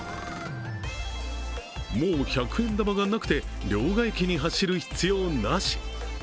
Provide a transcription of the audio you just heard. もう百円玉がなくて両替機に走る必要なし。